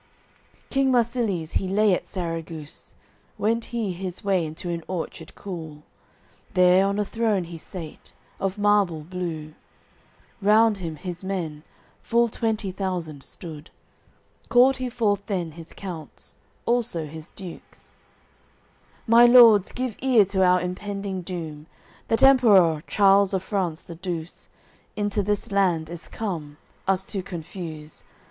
AOI. II King Marsilies he lay at Sarraguce, Went he his way into an orchard cool; There on a throne he sate, of marble blue, Round him his men, full twenty thousand, stood. Called he forth then his counts, also his dukes: "My Lords, give ear to our impending doom: That Emperour, Charles of France the Douce, Into this land is come, us to confuse.